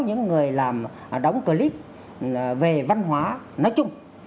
những người làm đóng clip về văn hóa nói chung